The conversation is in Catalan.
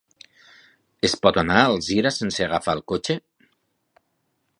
Es pot anar a Alzira sense agafar el cotxe?